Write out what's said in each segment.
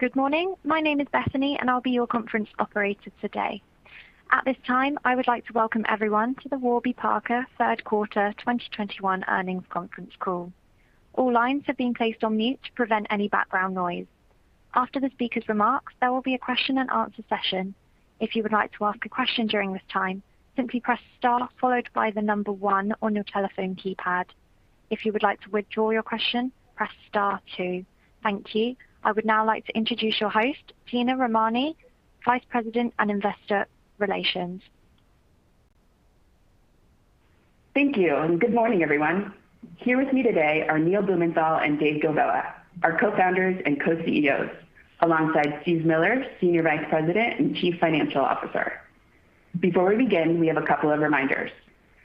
Good morning. My name is Bethany, and I'll be your conference operator today. At this time, I would like to welcome everyone to the Warby Parker third quarter 2021 earnings conference call. All lines have been placed on mute to prevent any background noise. After the speaker's remarks, there will be a Q&A session. If you would like to ask a question during this time, simply press star followed by the number one on your telephone keypad. If you would like to withdraw your question, press star two. Thank you. I would now like to introduce your host, Tina Romani, Vice President, Investor Relations. Thank you, and good morning, everyone. Here with me today are Neil Blumenthal and Dave Gilboa, our co-founders and co-CEOs, alongside Steve Miller, Senior Vice President and Chief Financial Officer. Before we begin, we have a couple of reminders.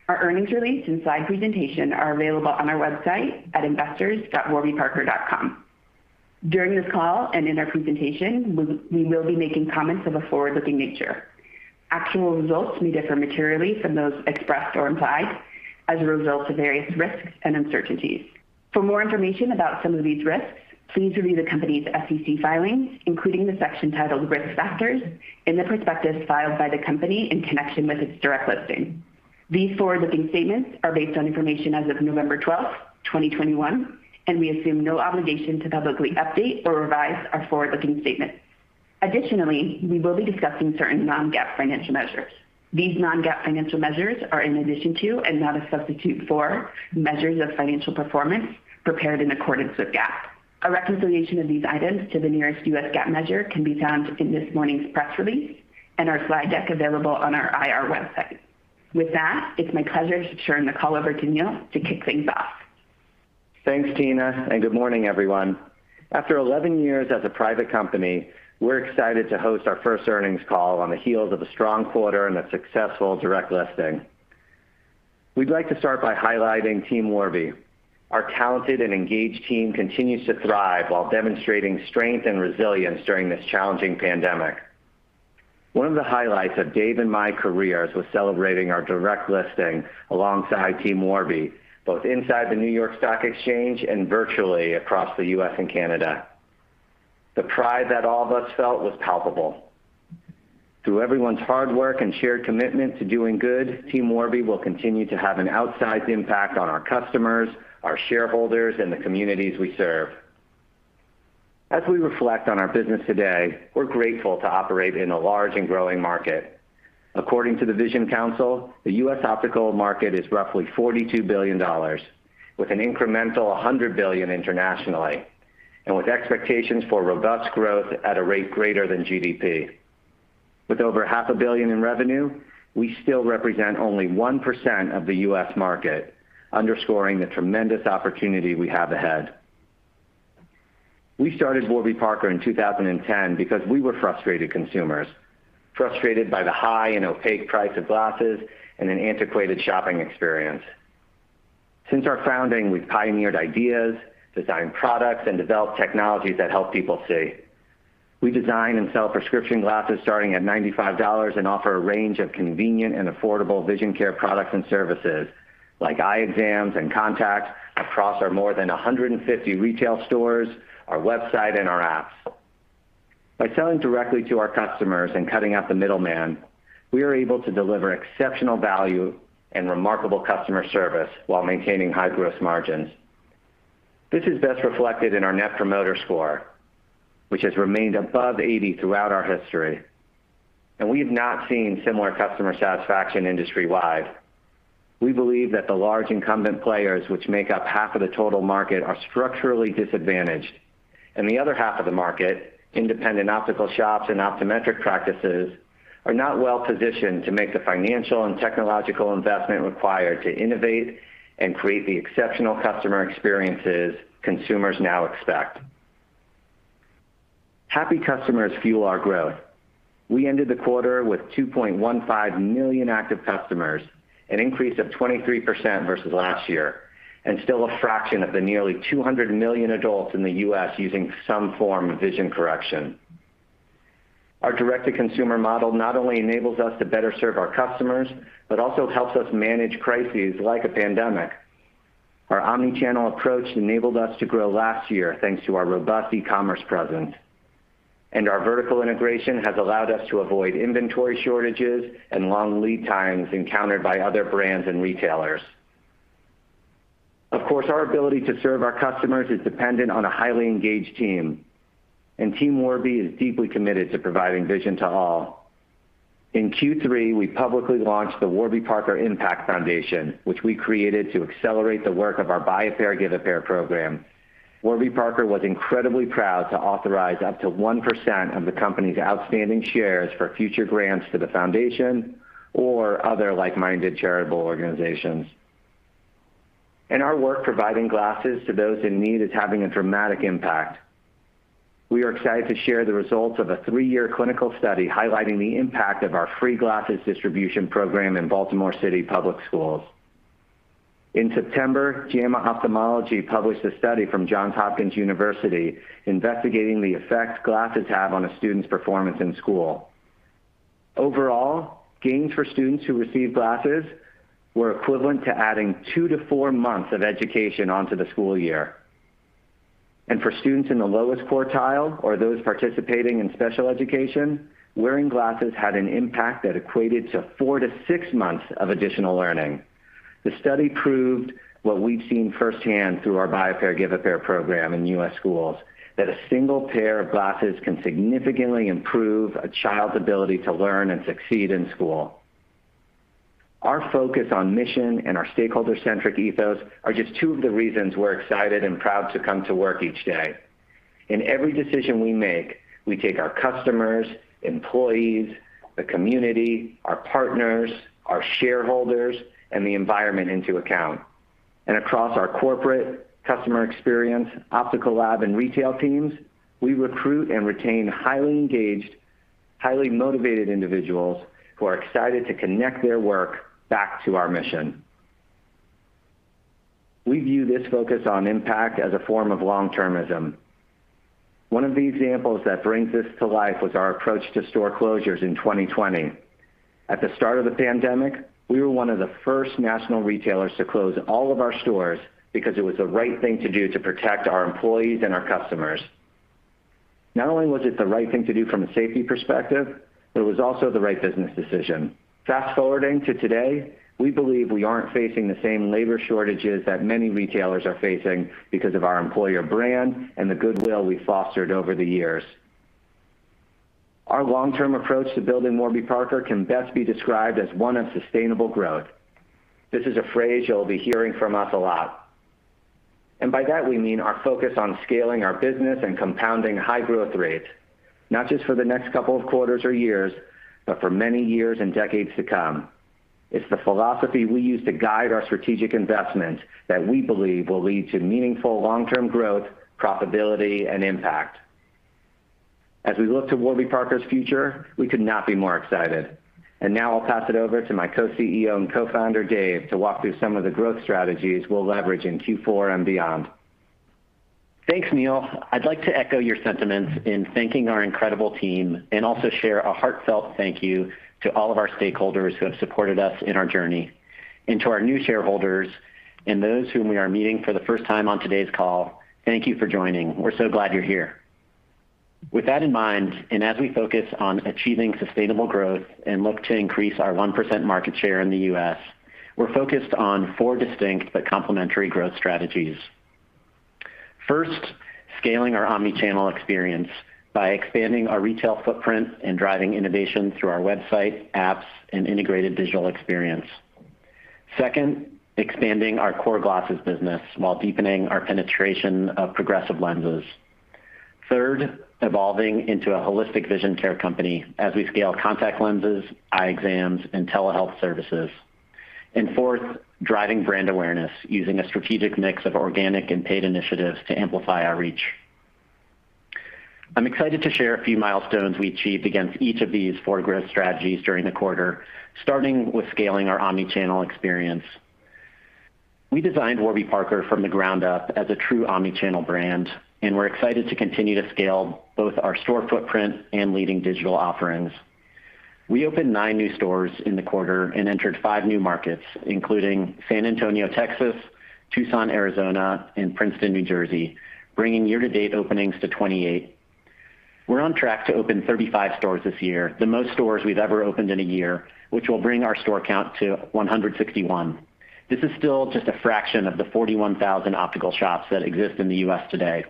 Our earnings release and slide presentation are available on our website at investors.warbyparker.com. During this call and in our presentation, we will be making comments of a forward-looking nature. Actual results may differ materially from those expressed or implied as a result of various risks and uncertainties. For more information about some of these risks, please review the company's SEC filings, including the section titled Risk Factors in the prospectus filed by the company in connection with its direct listing. These forward-looking statements are based on information as of 2021 November 12 and we assume no obligation to publicly update or revise our forward-looking statements. Additionally, we will be discussing certain non-GAAP financial measures. These non-GAAP financial measures are in addition to and not a substitute for measures of financial performance prepared in accordance with GAAP. A reconciliation of these items to the nearest U.S. GAAP measure can be found in this morning's press release and our slide deck available on our IR website. With that, it's my pleasure to turn the call over to Neil to kick things off. Thanks, Tina, and good morning, everyone. After 11 years as a private company, we're excited to host our first earnings call on the heels of a strong quarter and a successful direct listing. We'd like to start by highlighting Team Warby. Our talented and engaged team continues to thrive while demonstrating strength and resilience during this challenging pandemic. One of the highlights of Dave and my careers was celebrating our direct listing alongside Team Warby, both inside the New York Stock Exchange and virtually across the U.S. and Canada. The pride that all of us felt was palpable. Through everyone's hard work and shared commitment to doing good, Team Warby will continue to have an outsized impact on our customers, our shareholders, and the communities we serve. As we reflect on our business today, we're grateful to operate in a large and growing market. According to The Vision Council, the U.S. optical market is roughly $42 billion, with an incremental $100 billion internationally, and with expectations for robust growth at a rate greater than GDP. With over $0.5 billion in revenue, we still represent only 1% of the U.S. market, underscoring the tremendous opportunity we have ahead. We started Warby Parker in 2010 because we were frustrated consumers, frustrated by the high and opaque price of glasses and an antiquated shopping experience. Since our founding, we've pioneered ideas, designed products, and developed technologies that help people see. We design and sell prescription glasses starting at $95 and offer a range of convenient and affordable vision care products and services like eye exams and contacts across our more than 150 retail stores, our website, and our apps. By selling directly to our customers and cutting out the middleman, we are able to deliver exceptional value and remarkable customer service while maintaining high gross margins. This is best reflected in our Net Promoter Score, which has remained above 80 throughout our history, and we've not seen similar customer satisfaction industry-wide. We believe that the large incumbent players, which make up half of the total market, are structurally disadvantaged, and the other half of the market, independent optical shops and optometric practices, are not well positioned to make the financial and technological investment required to innovate and create the exceptional customer experiences consumers now expect. Happy customers fuel our growth. We ended the quarter with 2.15 million active customers, an increase of 23% versus last year, and still a fraction of the nearly 200 million adults in the U.S. using some form of vision correction. Our direct-to-consumer model not only enables us to better serve our customers, but also helps us manage crises like a pandemic. Our omni-channel approach enabled us to grow last year, thanks to our robust e-commerce presence. Our vertical integration has allowed us to avoid inventory shortages and long lead times encountered by other brands and retailers. Of course, our ability to serve our customers is dependent on a highly engaged team, and Team Warby is deeply committed to providing vision to all. In Q3, we publicly launched the Warby Parker Impact Foundation, which we created to accelerate the work of our Buy a Pair, Give a Pair program. Warby Parker was incredibly proud to authorize up to 1% of the company's outstanding shares for future grants to the foundation or other like-minded charitable organizations. Our work providing glasses to those in need is having a dramatic impact. We are excited to share the results of a three-year clinical study highlighting the impact of our free glasses distribution program in Baltimore City Public Schools. In September, JAMA Ophthalmology published a study from Johns Hopkins University investigating the effect glasses have on a student's performance in school. Overall, gains for students who received glasses were equivalent to adding two to four months of education onto the school year. For students in the lowest quartile or those participating in special education, wearing glasses had an impact that equated to four to six months of additional learning. The study proved what we've seen firsthand through our Buy a Pair, Give a Pair program in U.S. schools, that a single pair of glasses can significantly improve a child's ability to learn and succeed in school. Our focus on mission and our stakeholder-centric ethos are just two of the reasons we're excited and proud to come to work each day. In every decision we make, we take our customers, employees, the community, our partners, our shareholders, and the environment into account. Across our corporate, customer experience, optical lab, and retail teams, we recruit and retain highly engaged, highly motivated individuals who are excited to connect their work back to our mission. We view this focus on impact as a form of long-termism. One of the examples that brings this to life was our approach to store closures in 2020. At the start of the pandemic, we were one of the first national retailers to close all of our stores because it was the right thing to do to protect our employees and our customers. Not only was it the right thing to do from a safety perspective, but it was also the right business decision. Fast-forwarding to today, we believe we aren't facing the same labor shortages that many retailers are facing because of our employer brand and the goodwill we fostered over the years. Our long-term approach to building Warby Parker can best be described as one of sustainable growth. This is a phrase you'll be hearing from us a lot. By that we mean our focus on scaling our business and compounding high growth rates, not just for the next couple of quarters or years, but for many years and decades to come. It's the philosophy we use to guide our strategic investments that we believe will lead to meaningful long-term growth, profitability, and impact. As we look to Warby Parker's future, we could not be more excited. Now I'll pass it over to my Co-CEO and Co-founder, Dave, to walk through some of the growth strategies we'll leverage in Q4 and beyond. Thanks, Neil. I'd like to echo your sentiments in thanking our incredible team and also share a heartfelt thank you to all of our stakeholders who have supported us in our journey. To our new shareholders and those whom we are meeting for the first time on today's call, thank you for joining. We're so glad you're here. With that in mind, and as we focus on achieving sustainable growth and look to increase our 1% market share in the U.S., we're focused on four distinct but complementary growth strategies. First, scaling our omni-channel experience by expanding our retail footprint and driving innovation through our website, apps, and integrated digital experience. Second, expanding our core glasses business while deepening our penetration of progressive lenses. Third, evolving into a holistic vision care company as we scale contact lenses, eye exams, and telehealth services. Fourth, driving brand awareness using a strategic mix of organic and paid initiatives to amplify our reach. I'm excited to share a few milestones we achieved against each of these four growth strategies during the quarter, starting with scaling our omni-channel experience. We designed Warby Parker from the ground up as a true omni-channel brand, and we're excited to continue to scale both our store footprint and leading digital offerings. We opened nine new stores in the quarter and entered five new markets, including San Antonio, Texas, Tucson, Arizona, and Princeton, New Jersey, bringing year-to-date openings to 28. We're on track to open 35 stores this year, the most stores we've ever opened in a year, which will bring our store count to 161. This is still just a fraction of the 41,000 optical shops that exist in the U.S. today.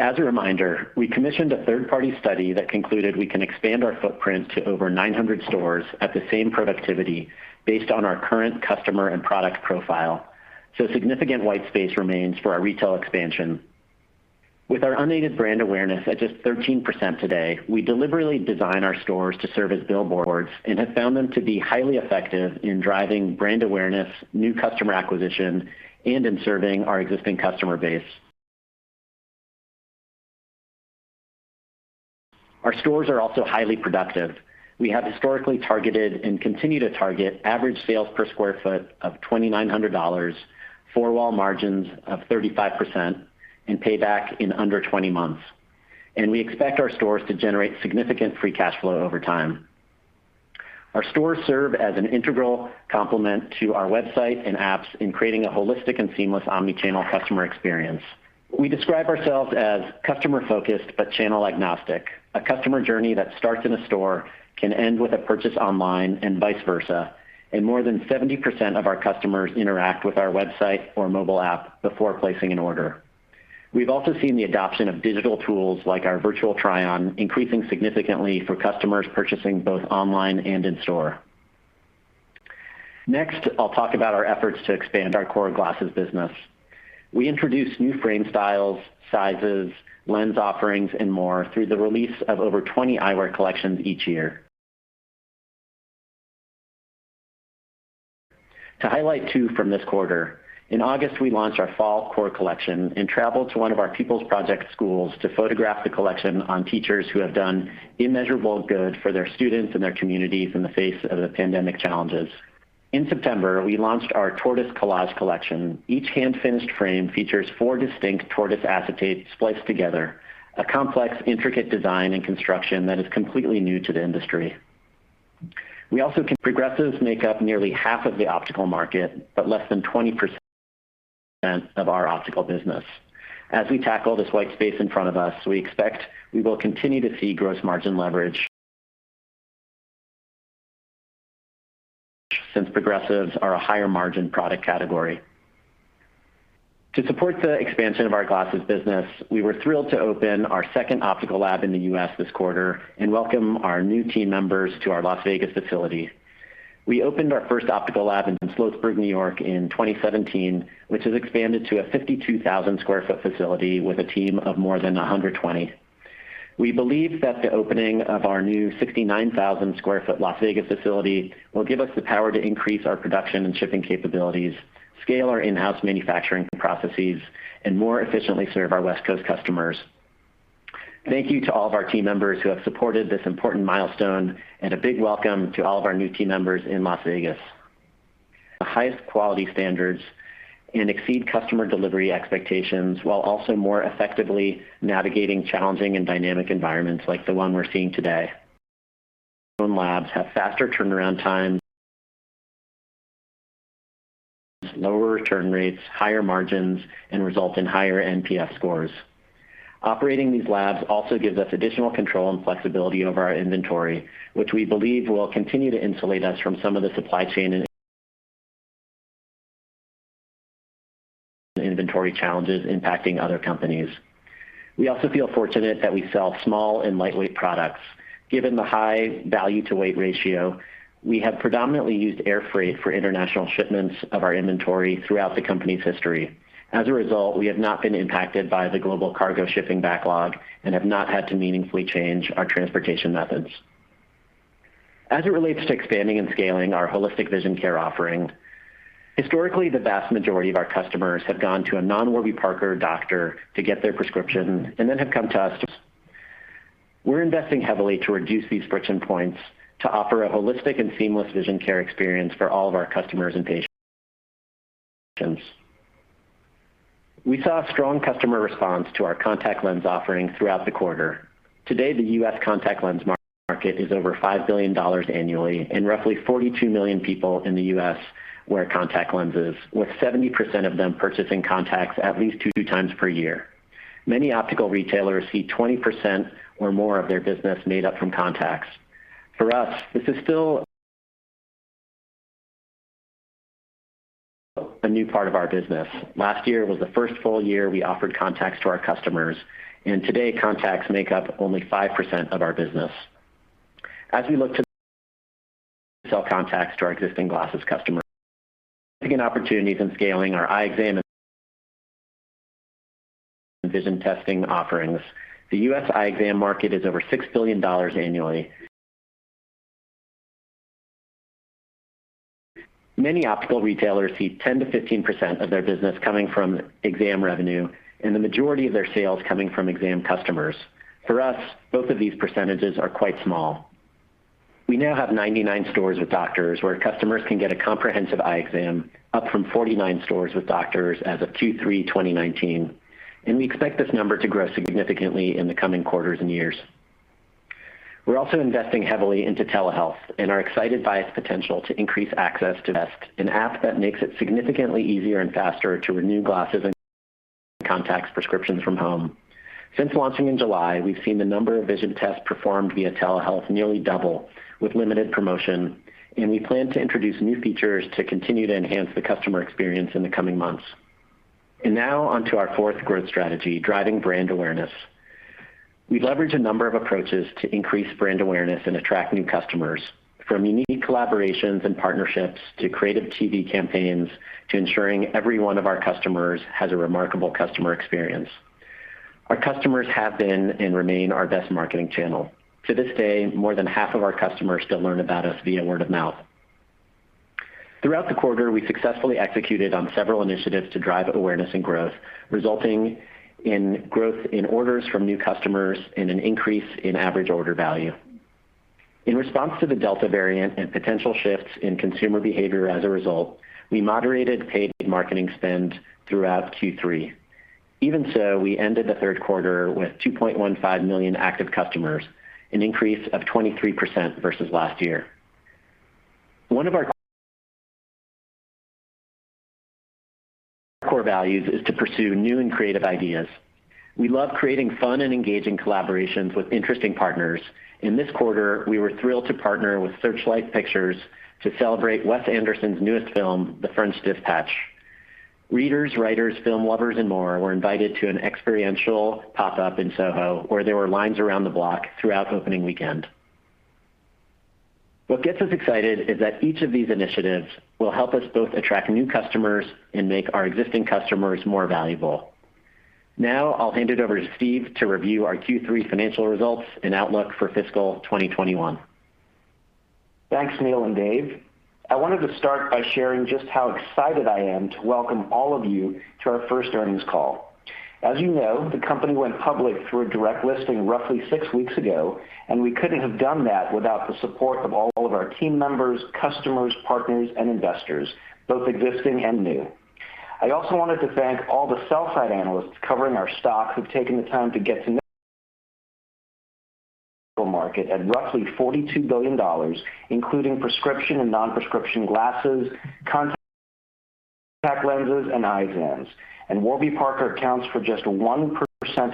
As a reminder, we commissioned a third-party study that concluded we can expand our footprint to over 900 stores at the same productivity based on our current customer and product profile. Significant white space remains for our retail expansion. With our unaided brand awareness at just 13% today, we deliberately design our stores to serve as billboards and have found them to be highly effective in driving brand awareness, new customer acquisition, and in serving our existing customer base. Our stores are also highly productive. We have historically targeted and continue to target average sales per square foot of $2,900, four-wall margins of 35% and payback in under 20 months. We expect our stores to generate significant free cash flow over time. Our stores serve as an integral complement to our website and apps in creating a holistic and seamless omni-channel customer experience. We describe ourselves as customer-focused but channel agnostic. A customer journey that starts in a store can end with a purchase online and vice versa, and more than 70% of our customers interact with our website or mobile app before placing an order. We've also seen the adoption of digital tools like our Virtual Try-On increasing significantly for customers purchasing both online and in store. Next, I'll talk about our efforts to expand our core glasses business. We introduce new frame styles, sizes, lens offerings, and more through the release of over 20 eyewear collections each year. To highlight two from this quarter, in August, we launched our fall core collection and traveled to one of our Pupils Project schools to photograph the collection on teachers who have done immeasurable good for their students and their communities in the face of the pandemic challenges. In September, we launched our Tortoise Collage collection. Each hand-finished frame features four distinct tortoise acetate spliced together, a complex, intricate design and construction that is completely new to the industry. We also know progressives make up nearly half of the optical market, but less than 20% of our optical business. As we tackle this white space in front of us, we expect we will continue to see gross margin leverage since progressives are a higher margin product category. To support the expansion of our glasses business, we were thrilled to open our second optical lab in the U.S. this quarter and welcome our new team members to our Las Vegas facility. We opened our first optical lab in Sloatsburg, New York in 2017, which has expanded to a 52,000 sq ft facility with a team of more than 120. We believe that the opening of our new 69,000 sq ft Las Vegas facility will give us the power to increase our production and shipping capabilities, scale our in-house manufacturing processes, and more efficiently serve our West Coast customers. Thank you to all of our team members who have supported this important milestone, and a big welcome to all of our new team members in Las Vegas. The highest quality standards and exceed customer delivery expectations while also more effectively navigating challenging and dynamic environments like the one we're seeing today. Our own labs have faster turnaround times, lower return rates, higher margins, and result in higher NPS scores. Operating these labs also gives us additional control and flexibility over our inventory, which we believe will continue to insulate us from some of the supply chain and inventory challenges impacting other companies. We also feel fortunate that we sell small and lightweight products. Given the high value to weight ratio, we have predominantly used air freight for international shipments of our inventory throughout the company's history. As a result, we have not been impacted by the global cargo shipping backlog and have not had to meaningfully change our transportation methods. As it relates to expanding and scaling our holistic vision care offering, historically, the vast majority of our customers have gone to a non-Warby Parker doctor to get their prescription and then have come to us. We're investing heavily to reduce these friction points to offer a holistic and seamless vision care experience for all of our customers and patients. We saw a strong customer response to our contact lens offering throughout the quarter. Today, the U.S. contact lens market is over $5 billion annually, and roughly 42 million people in the U.S. wear contact lenses, with 70% of them purchasing contacts at least 2x per year. Many optical retailers see 20% or more of their business made up from contacts. For us, this is still a new part of our business. Last year was the first full year we offered contacts to our customers, and today, contacts make up only 5% of our business. As we look to sell contacts to our existing glasses customers, opportunities in scaling our eye exam and vision testing offerings. The U.S. eye exam market is over $6 billion annually. Many optical retailers see 10%-15% of their business coming from exam revenue and the majority of their sales coming from exam customers. For us, both of these percentages are quite small. We now have 99 stores with doctors where customers can get a comprehensive eye exam up from 49 stores with doctors as of Q3 2019, and we expect this number to grow significantly in the coming quarters and years. We're also investing heavily into telehealth and are excited by its potential to increase access to Virtual Vision Test, an app that makes it significantly easier and faster to renew glasses and contacts prescriptions from home. Since launching in July, we've seen the number of vision tests performed via telehealth nearly double with limited promotion, and we plan to introduce new features to continue to enhance the customer experience in the coming months. Now on to our fourth growth strategy, driving brand awareness. We leverage a number of approaches to increase brand awareness and attract new customers, from unique collaborations and partnerships to creative TV campaigns to ensuring every one of our customers has a remarkable customer experience. Our customers have been and remain our best marketing channel. To this day, more than half of our customers still learn about us via word of mouth. Throughout the quarter, we successfully executed on several initiatives to drive awareness and growth, resulting in growth in orders from new customers and an increase in average order value. In response to the Delta variant and potential shifts in consumer behavior as a result, we moderated paid marketing spend throughout Q3. Even so, we ended the Q3 with 2.15 million active customers, an increase of 23% versus last year. One of our core values is to pursue new and creative ideas. We love creating fun and engaging collaborations with interesting partners. In this quarter, we were thrilled to partner with Searchlight Pictures to celebrate Wes Anderson's newest film, The French Dispatch. Readers, writers, film lovers, and more were invited to an experiential pop-up in SoHo, where there were lines around the block throughout opening weekend. What gets us excited is that each of these initiatives will help us both attract new customers and make our existing customers more valuable. Now, I'll hand it over to Steve to review our Q3 financial results and outlook for fiscal 2021. Thanks, Neil and Dave. I wanted to start by sharing just how excited I am to welcome all of you to our first earnings call. As you know, the company went public through a direct listing roughly six weeks ago, and we couldn't have done that without the support of all of our team members, customers, partners, and investors, both existing and new. I also wanted to thank all the sell-side analysts covering our stock who've taken the time to get to know our market at roughly $42 billion, including prescription and non-prescription glasses, contacts, lenses, and eye exams. Warby Parker accounts for just 1%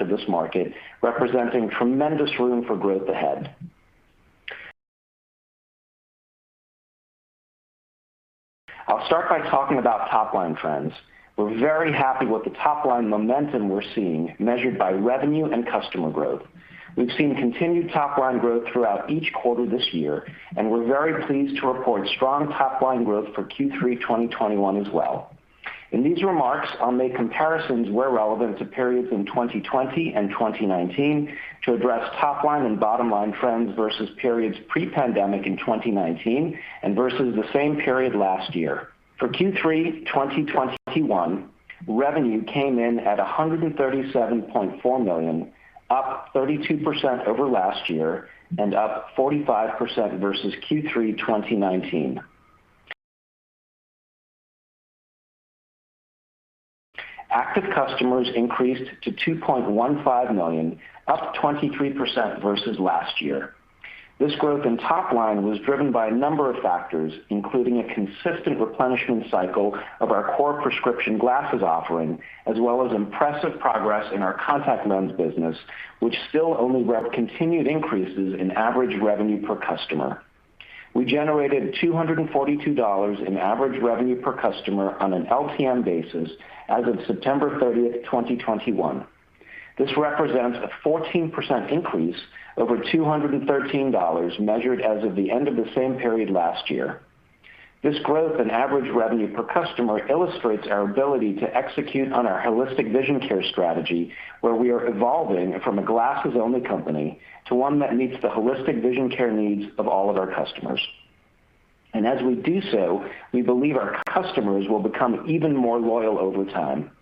of this market, representing tremendous room for growth ahead. I'll start by talking about top line trends. We're very happy with the top line momentum we're seeing measured by revenue and customer growth. We've seen continued top line growth throughout each quarter this year, and we're very pleased to report strong top line growth for Q3 2021 as well. In these remarks, I'll make comparisons where relevant to periods in 2020 and 2019 to address top line and bottom line trends versus periods pre-pandemic in 2019 and versus the same period last year. For Q3 2021, revenue came in at $137.4 million, up 32% over last year and up 45% versus Q3 2019. Active customers increased to 2.15 million, up 23% versus last year. This growth in top line was driven by a number of factors, including a consistent replenishment cycle of our core prescription glasses offering, as well as impressive progress in our contact lens business, which still only represents continued increases in average revenue per customer. We generated $242 in average revenue per customer on an LTM basis as of September 30, 2021. This represents a 14% increase over $213 measured as of the end of the same period last year. This growth in average revenue per customer illustrates our ability to execute on our holistic vision care strategy, where we are evolving from a glasses-only company to one that meets the holistic vision care needs of all of our customers. As we do so, we believe our customers will become even more loyal over time.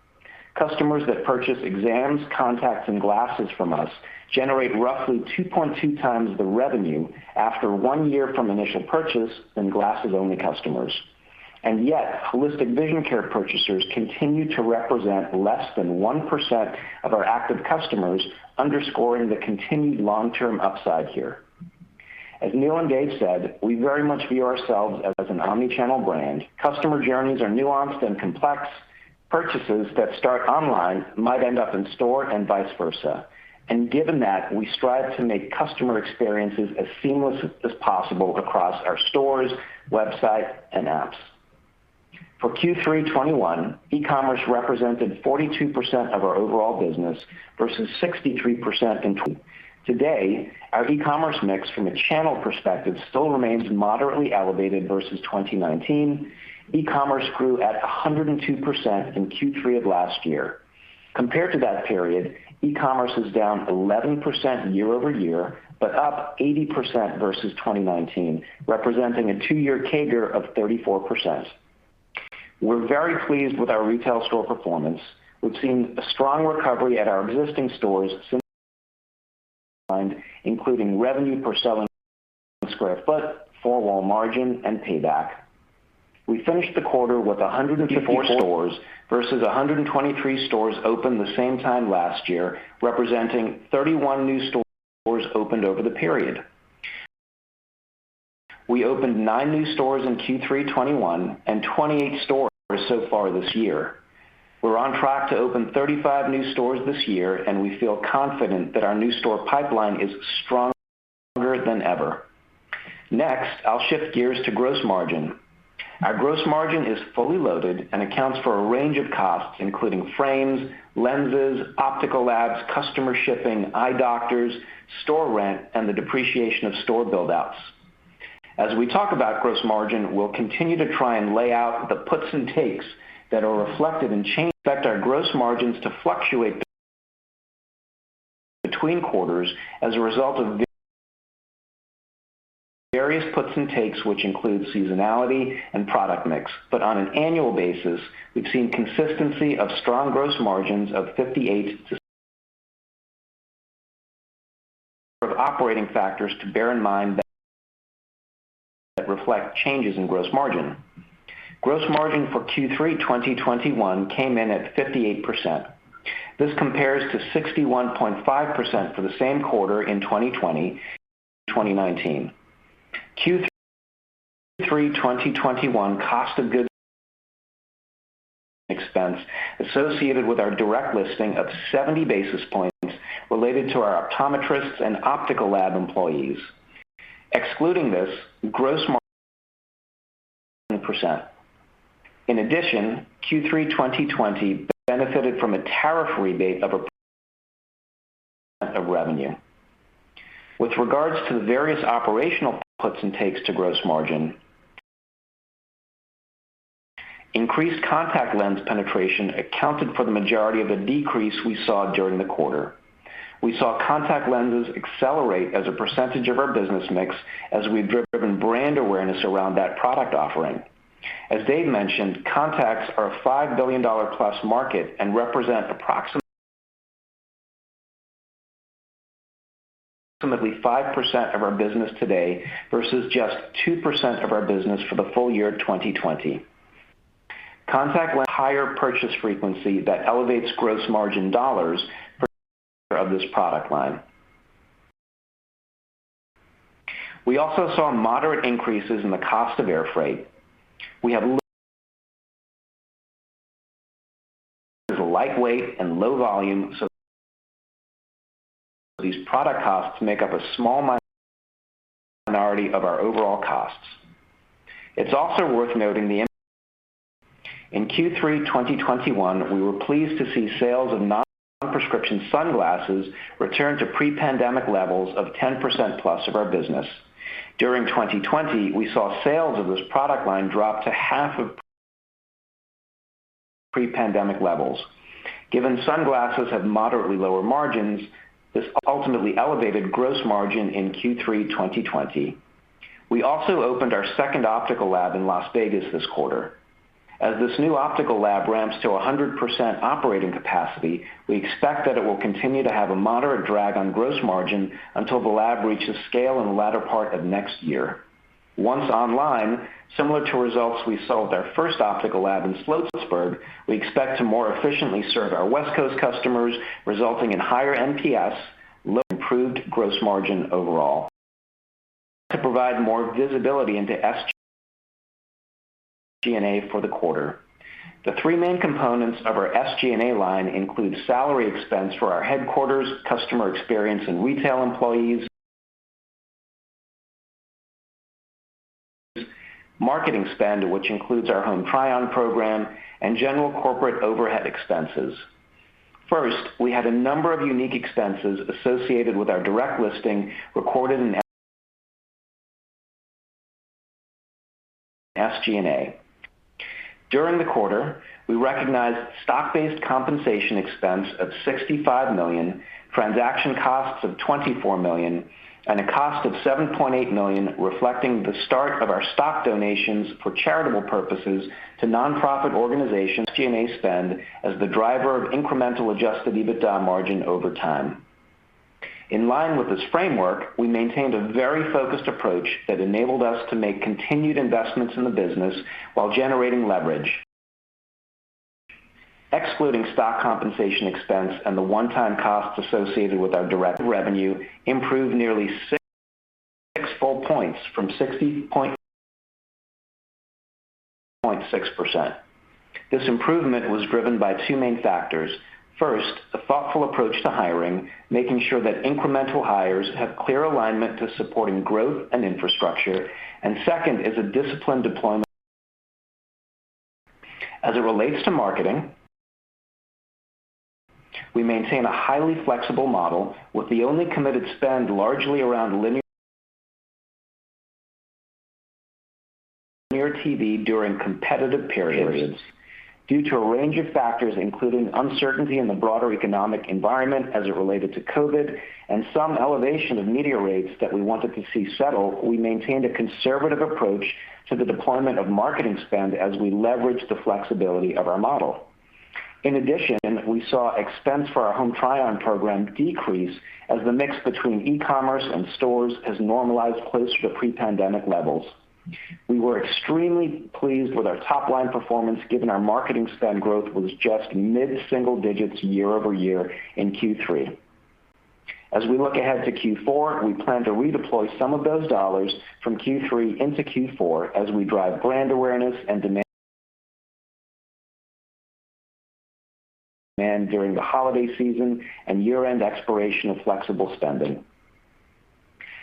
Customers that purchase exams, contacts, and glasses from us generate roughly 2.2x the revenue after one year from initial purchase than glasses-only customers. Yet, holistic vision care purchasers continue to represent less than 1% of our active customers, underscoring the continued long-term upside here. As Neil and Dave said, we very much view ourselves as an omnichannel brand. Customer journeys are nuanced and complex. Purchases that start online might end up in store and vice versa. Given that, we strive to make customer experiences as seamless as possible across our stores, website, and apps. For Q3 2021, e-commerce represented 42% of our overall business versus 63% in 2019. Today, our e-commerce mix from a channel perspective still remains moderately elevated versus 2019. E-commerce grew at 102% in Q3 of last year. Compared to that period, e-commerce is down 11% year over year, but up 80% versus 2019, representing a two-year CAGR of 34%. We're very pleased with our retail store performance. We've seen a strong recovery at our existing stores, including revenue per selling square foot, four-wall margin, and payback. We finished the quarter with 154 stores versus 123 stores open the same time last year, representing 31 new stores opened over the period. We opened nine new stores in Q3 2021 and 28 stores so far this year. We're on track to open 35 new stores this year, and we feel confident that our new store pipeline is stronger than ever. Next, I'll shift gears to gross margin. Our gross margin is fully loaded and accounts for a range of costs, including frames, lenses, optical labs, customer shipping, eye doctors, store rent, and the depreciation of store buildouts. As we talk about gross margin, we'll continue to try and lay out the puts and takes affect our gross margins to fluctuate between quarters as a result of various puts and takes, which include seasonality and product mix. On an annual basis, we've seen consistency of strong gross margins of 58%, two operating factors to bear in mind that reflect changes in gross margin. Gross margin for Q3 2021 came in at 58%. This compares to 61.5% for the same quarter in 2020, 2019. The Q3 2021 cost of goods expense associated with our direct listing of 70 basis points related to our optometrists and optical lab employees. Excluding this, gross margin percent. In addition, Q3 2020 benefited from a tariff rebate of 1% of revenue. With regards to the various operational puts and takes to gross margin, increased contact lens penetration accounted for the majority of the decrease we saw during the quarter. We saw contact lenses accelerate as a percentage of our business mix as we've driven brand awareness around that product offering. As Dave mentioned, contacts are a $5 billion-plus market and represent approximately 5% of our business today versus just 2% of our business for the full year of 2020. Contact lenses have higher purchase frequency that elevates gross margin dollars per unit of this product line. We also saw moderate increases in the cost of air freight. We have lightweight and low volume, so these product costs make up a small minority of our overall costs. It's also worth noting. In Q3 2021, we were pleased to see sales of non-prescription sunglasses return to pre-pandemic levels of 10% plus of our business. During 2020, we saw sales of this product line drop to half of pre-pandemic levels. Given sunglasses have moderately lower margins, this ultimately elevated gross margin in Q3 2020. We also opened our second optical lab in Las Vegas this quarter. As this new optical lab ramps to 100% operating capacity, we expect that it will continue to have a moderate drag on gross margin until the lab reaches scale in the latter part of next year. Once online, similar to results we saw with our first optical lab in Sloatsburg, we expect to more efficiently serve our West Coast customers, resulting in higher NPS and improved gross margin overall. To provide more visibility into SG&A for the quarter, the three main components of our SG&A line include salary expense for our headquarters, customer experience, and retail employees, marketing spend, which includes our Home Try-On program and general corporate overhead expenses. First, we had a number of unique expenses associated with our direct listing recorded in SG&A. During the quarter, we recognized stock-based compensation expense of $65 million, transaction costs of $24 million, and a cost of $7.8 million, reflecting the start of our stock donations for charitable purposes to nonprofit organizations. SG&A spend as the driver of incremental Adjusted EBITDA margin over time. In line with this framework, we maintained a very focused approach that enabled us to make continued investments in the business while generating leverage. Excluding stock compensation expense and the one-time costs associated with our direct listing, revenue improved nearly six full points from 60.6%. This improvement was driven by two main factors. First, a thoughtful approach to hiring, making sure that incremental hires have clear alignment to supporting growth and infrastructure. Second is a disciplined deployment. As it relates to marketing, we maintain a highly flexible model with the only committed spend largely around linear TV during competitive periods. Due to a range of factors, including uncertainty in the broader economic environment as it related to COVID and some elevation of media rates that we wanted to see settle, we maintained a conservative approach to the deployment of marketing spend as we leveraged the flexibility of our model. In addition, we saw expense for our Home Try-On program decrease as the mix between e-commerce and stores has normalized close to pre-pandemic levels. We were extremely pleased with our top line performance, given our marketing spend growth was just mid-single digits year-over-year in Q3. As we look ahead to Q4, we plan to redeploy some of those dollars from Q3 into Q4 as we drive brand awareness and demand during the holiday season and year-end expiration of flexible spending.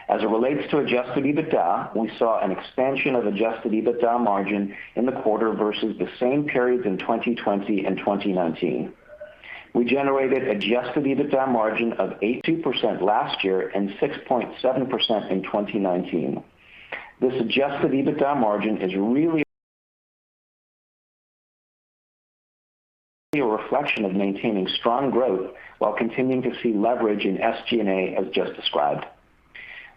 As it relates to Adjusted EBITDA, we saw an expansion of Adjusted EBITDA margin in the quarter versus the same periods in 2020 and 2019. We generated Adjusted EBITDA margin of 82% last year and 6.7% in 2019. This Adjusted EBITDA margin is really a reflection of maintaining strong growth while continuing to see leverage in SG&A as just described.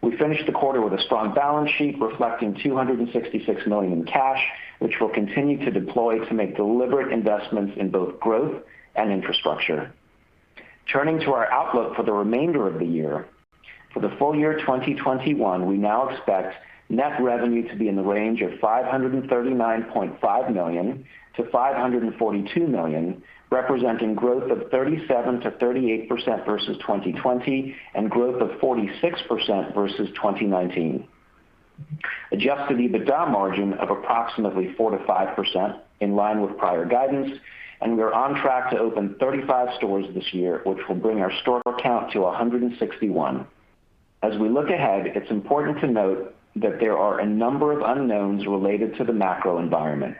We finished the quarter with a strong balance sheet reflecting $266 million in cash, which we'll continue to deploy to make deliberate investments in both growth and infrastructure. Turning to our outlook for the remainder of the year. For the full year 2021, we now expect net revenue to be in the range of $539.5 million-$542 million, representing growth of 37%-38% versus 2020 and growth of 46% versus 2019. Adjusted EBITDA margin of approximately 4%-5% in line with prior guidance. We are on track to open 35 stores this year, which will bring our store count to 161. As we look ahead, it's important to note that there are a number of unknowns related to the macro environment.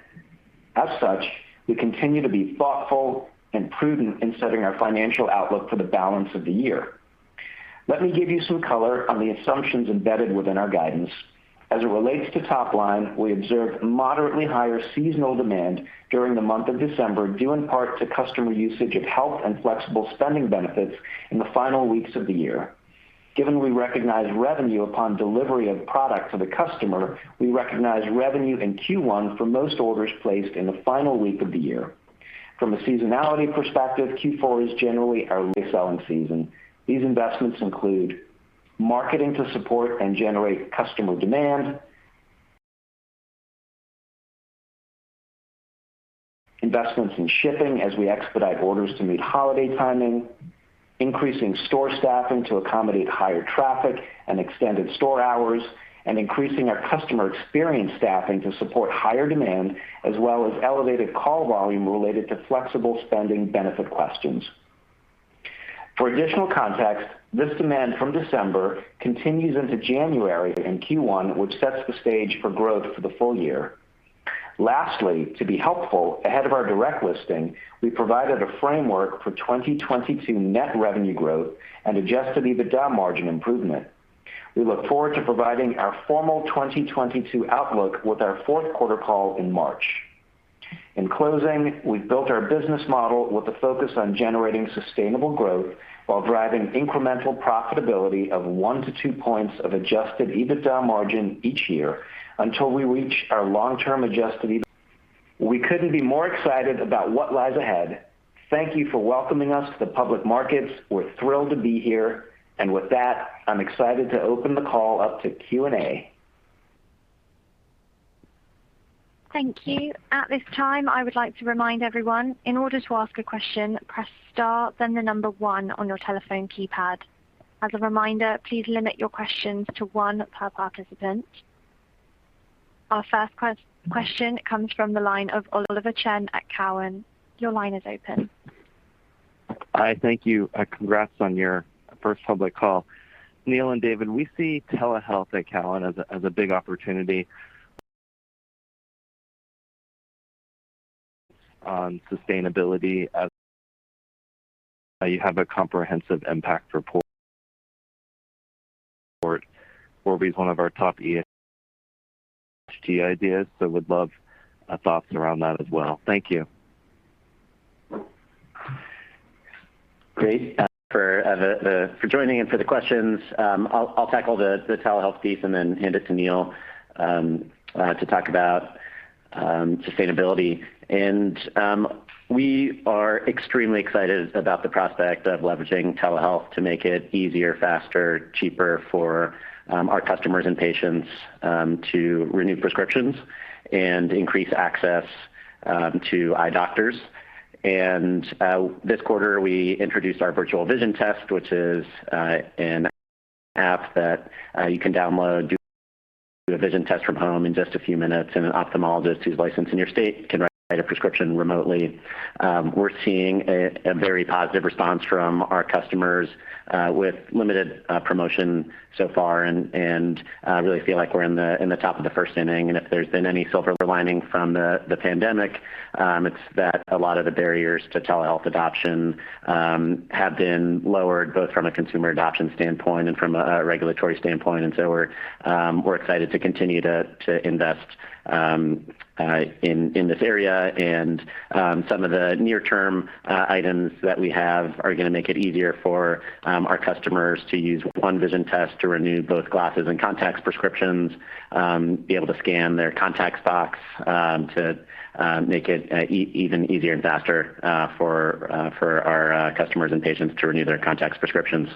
As such, we continue to be thoughtful and prudent in setting our financial outlook for the balance of the year. Let me give you some color on the assumptions embedded within our guidance. As it relates to top line, we observed moderately higher seasonal demand during the month of December, due in part to customer usage of health and flexible spending benefits in the final weeks of the year. Given we recognize revenue upon delivery of product to the customer, we recognize revenue in Q1 for most orders placed in the final week of the year. From a seasonality perspective, Q4 is generally our reselling season. These investments include marketing to support and generate customer demand, investments in shipping as we expedite orders to meet holiday timing, increasing store staffing to accommodate higher traffic and extended store hours, and increasing our customer experience staffing to support higher demand as well as elevated call volume related to flexible spending benefit questions. For additional context, this demand from December continues into January in Q1, which sets the stage for growth for the full year. Lastly, to be helpful ahead of our direct listing, we provided a framework for 2022 net revenue growth and Adjusted EBITDA margin improvement. We look forward to providing our formal 2022 outlook with our fourth quarter call in March. In closing, we've built our business model with a focus on generating sustainable growth while driving incremental profitability of 1-2 points of Adjusted EBITDA margin each year until we reach our long-term Adjusted EBITDA. We couldn't be more excited about what lies ahead. Thank you for welcoming us to the public markets. We're thrilled to be here. With that, I'm excited to open the call up to Q&A. Thank you. At this time, I would like to remind everyone, in order to ask a question, press star then the number one on your telephone keypad. As a reminder, please limit your questions to one per participant. Our first question comes from the line of Oliver Chen at Cowen. Your line is open. Hi. Thank you. Congrats on your first public call. Neil and Dave, we see telehealth at Cowen as a big opportunity on sustainability. You have a comprehensive impact report. Warby's one of our top ESG ideas, so would love thoughts around that as well. Thank you. Great. For joining and for the questions. I'll tackle the telehealth piece and then hand it to Neil to talk about sustainability. We are extremely excited about the prospect of leveraging telehealth to make it easier, faster, cheaper for our customers and patients to renew prescriptions and increase access to eye doctors. This quarter we introduced our Virtual Vision Test, which is an app that you can download, do a vision test from home in just a few minutes, and an ophthalmologist who's licensed in your state can write a prescription remotely. We're seeing a very positive response from our customers with limited promotion so far and really feel like we're in the top of the first inning. If there's been any silver lining from the pandemic, it's that a lot of the barriers to telehealth adoption have been lowered, both from a consumer adoption standpoint and from a regulatory standpoint. We're excited to continue to invest in this area. Some of the near-term items that we have are gonna make it easier for our customers to use one vision test to renew both glasses and contacts prescriptions, be able to scan their contacts box to make it even easier and faster for our customers and patients to renew their contacts prescriptions.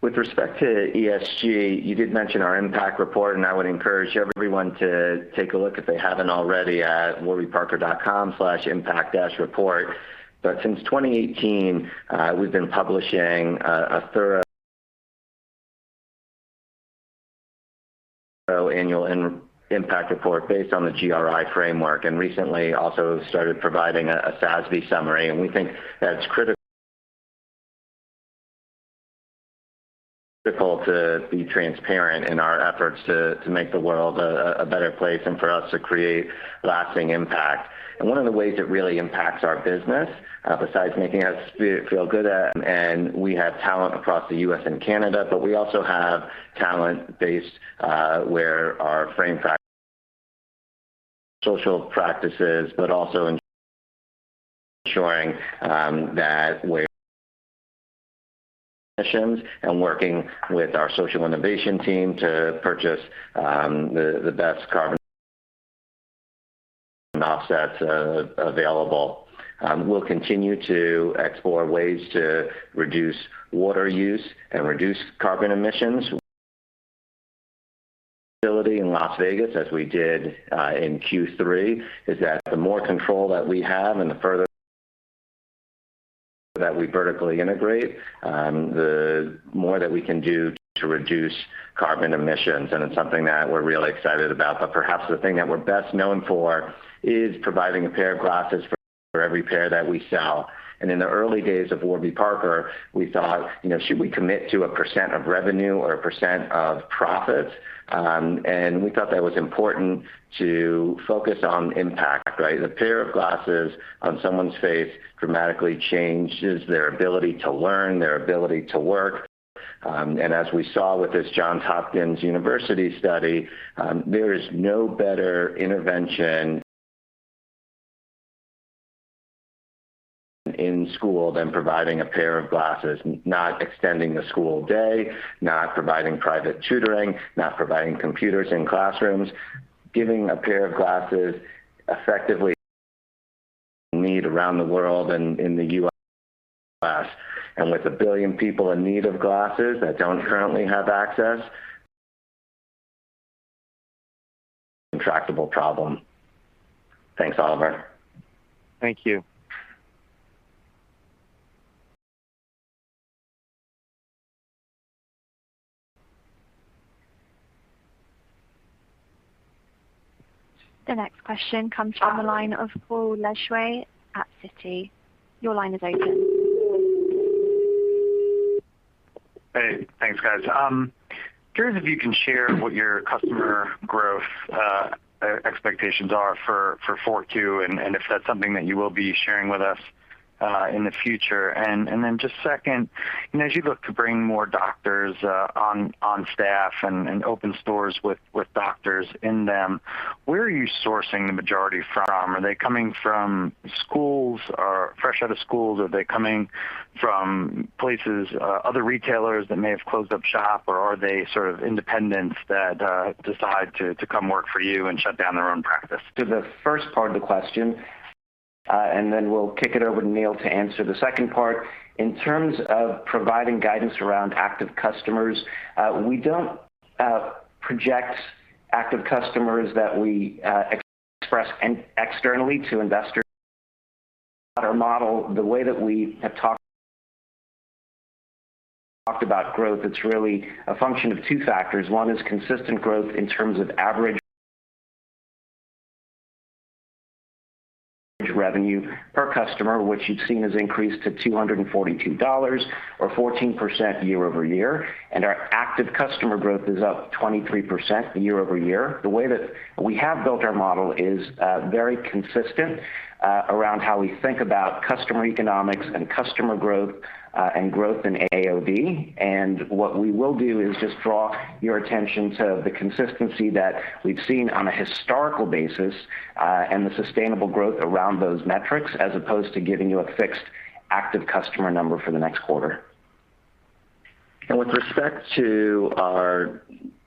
With respect to ESG, you did mention our impact report, and I would encourage everyone to take a look if they haven't already at warbyparker.com/impact-report. Since 2018, we've been publishing a thorough annual impact report based on the GRI framework, and recently also started providing a SASB summary. We think that it's critical to be transparent in our efforts to make the world a better place and for us to create lasting impact. One of the ways it really impacts our business, besides making us feel good. We have talent across the U.S. and Canada, but we also have talent based where our frame factory social practices, but also ensuring that our emissions and working with our social innovation team to purchase the best carbon offsets available. We'll continue to explore ways to reduce water use and reduce carbon emissions. Facility in Las Vegas, as we did, in Q3, is that the more control that we have and the further that we vertically integrate, the more that we can do to reduce carbon emissions. It's something that we're really excited about. Perhaps the thing that we're best known for is providing a pair of glasses for every pair that we sell. In the early days of Warby Parker, we thought, you know, should we commit to a percent of revenue or a percent of profits? We thought that was important to focus on impact, right? A pair of glasses on someone's face dramatically changes their ability to learn, their ability to work. As we saw with this Johns Hopkins University study, there is no better intervention in school than providing a pair of glasses, not extending the school day, not providing private tutoring, not providing computers in classrooms. Giving a pair of glasses effectively meets the need around the world and in the U.S. classrooms. With 1 billion people in need of glasses that don't currently have access. Intractable problem. Thanks, Oliver. Thank you. The next question comes from the line of Paul Lejuez at Citi. Your line is open. Hey, thanks, guys. Curious if you can share what your customer growth expectations are for 42%, and if that's something that you will be sharing with us in the future. Then just second, you know, as you look to bring more doctors on staff and open stores with doctors in them, where are you sourcing the majority from? Are they coming from schools or fresh out of schools? Are they coming from places, other retailers that may have closed up shop, or are they sort of independents that decide to come work for you and shut down their own practice? To the first part of the question, and then we'll kick it over to Neil to answer the second part. In terms of providing guidance around active customers, we don't project active customers that we express externally to investors. Our model, the way that we have talked about growth, it's really a function of two factors. One is consistent growth in terms of average revenue per customer, which you've seen has increased to $242 or 14% year-over-year. Our active customer growth is up 23% year-over-year. The way that we have built our model is very consistent around how we think about customer economics and customer growth, and growth in AOV. What we will do is just draw your attention to the consistency that we've seen on a historical basis, and the sustainable growth around those metrics as opposed to giving you a fixed active customer number for the next quarter. With respect to our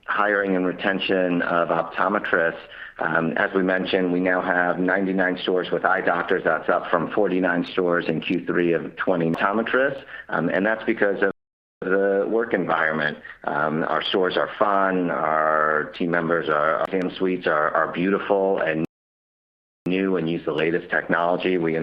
hiring and retention of optometrists, as we mentioned, we now have 99 stores with eye doctors. That's up from 49 stores in Q3 of 2020. And that's because of the work environment. Our stores are fun. Exam suites are beautiful and new and use the latest technology. We